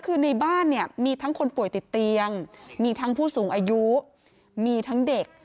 คือในบ้านเนี่ยมีทั้งคนป่วยติดเตียงมีทั้งผู้สูงอายุมีทั้งเด็ก